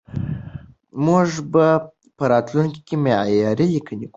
موږ به په راتلونکي کې معياري ليکنې کوو.